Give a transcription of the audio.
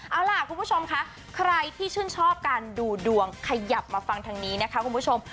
เอาล่ะคุณผู้ชมคะใครที่ชื่นชอบการดูดวงขยับมาฟังทางนี้นะคะคุณผู้ชม